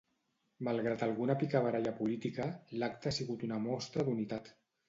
Malgrat alguna picabaralla política, l'acte ha sigut una mostra d'unitat.